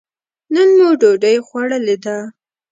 نن مو ډوډۍ خوړلې ده.